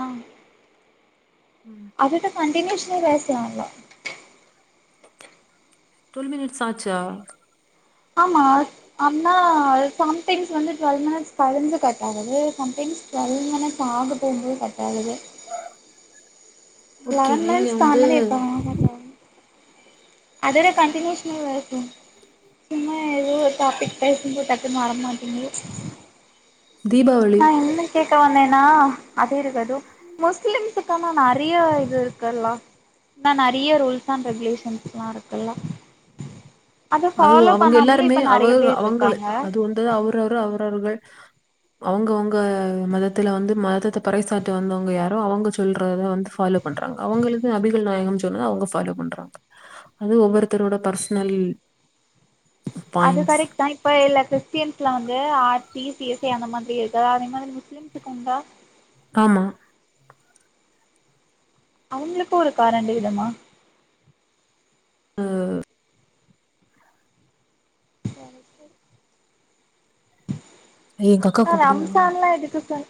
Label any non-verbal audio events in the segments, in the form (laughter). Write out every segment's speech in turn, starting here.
ஆ ம் அதுகு கண்டினியூஷ்லே பேச்லாங்ளா டுவெல் மினிட்ஸ் ஆச்சா ஆமா அண்ணா அது சம்டைம்ஸ் வந்து டுவெல் மினிட்ஸ் கழிஞ்சு கட்டாகுது சம்டைம்ஸ் ட்வெல் மினிட்ஸ் ஆக போம்போது கட்டாகுது ஓகே லெவன் நீங்க மின்ஸ் வந்து தாண்டனே (unintelligible) அதோட கண்டினியூஷ்மே வேர்ட்டுன் சும்மா எதோ ஒரு டாப்பிக் பேசும்போத் டக்குன் வர மாட்டிங்கே தீபாவளி நா என்னக் கேக்க வந்தேனா அது இருகட்டு முஸ்லிம்ஸுக்கான நெறைய இது இருக்கல்லா எனா நெறைய ரூல்ஸ் அண்ட் ரெகுலேஷன்ஸ்லா இருக்குல்லா அத அது ஃபாலோ அவங்க பண்ணாம்லே இப்ப நெறைய பேர்ருக்காங்க து அவுரவுரு அவுரவுர்கள் அவுங்கவுங்க மதத்துல வந்து மதத்த பறை சாற்ற வந்தவுங்க யாரோ அவுங்க சொல்றத வந்து ஃபாலோவ்ப் பண்றாங்க அவுங்களது அபிகள் நாயகம் சொன்னத அவுங்க ஃபாலோப் பண்றாங்க அது ஒவ்வொருத்தரோட பர்சனல் அது பாயிண்ட்ஸ் கரெக்ட்தா இப் இப்ப இல்ல கிறிஸ்டியன்ஸ்லா வந்து R C C S I அந்த மாதிரி எதா அதே மாதிரி முஸ்லீம்ஸுக்கு உண்டா ஆமா அவுங்ளுக்கு ஒரு காரண்ட இதம்மா அ ச எங்க அக்கா சார் கூப்பிடியா ரம்சான்லா எதுக்கு சார்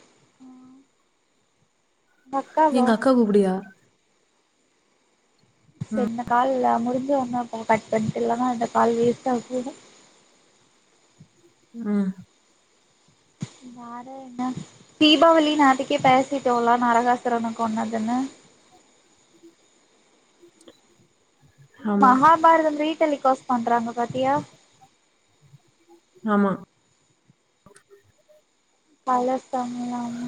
அக்காவா எங்க அக்கா கூப்புடியா சேர் ம் இந்த கால்ல முடிஞ்சு ஒழுங்கா போ கட் பண்ணிட்டு இல்லனா இந்த கால் வேஸ்ட்டா போய்டு ம் வேற என்ன தீபாவளி நேத்திக்கே பேசிட்டோல நரகாசுரன கொன்னதுன்னு ஆமா மகாபாரதம் ரீ டெலிகாஸ்ட் பண்றாங்க பாத்தியா ஆமா பிளாங்க் கலர்ஸ் தமிழ் அம்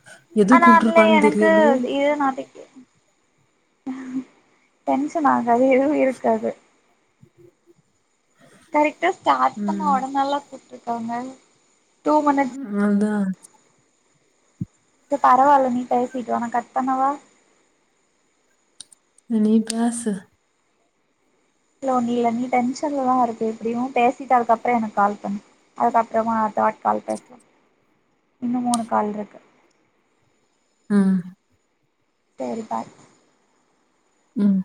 ஆ ஆனா அதுல எனக்கு இதே டாப்பிக்கு டென்ஷன் ஆகாத எதுவு இருக்காது கரெக்டா ஸ்டார்ட் பண்ண ம் ஒடனேல்லா கூட்டுருக்காங்க டு மினிடா அதான் சேர் பரவால்ல நீ பேசிக்க நா கட் பண்ணவா நீ பேசு ஹலோ நீ இல்ல நீ டென்ஷன்ல எல்லா இருக்கு எப்படியு பேசிட்டு அதுக்கப்புறோ எனக்கு கால் பண்ணு அதுக்கப்புறமா அடுத்தவாட் கால் பேசலா இன்னு மூணு கால் இருக்கு ம் சேரி பாரு ம்